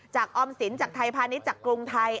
จากออมศิลป์จากไทยภาณิชย์จากกรุงไทย